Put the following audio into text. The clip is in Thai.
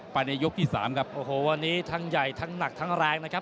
ในยกที่สามครับโอ้โหวันนี้ทั้งใหญ่ทั้งหนักทั้งแรงนะครับ